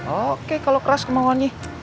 oke kalau keras kemauannya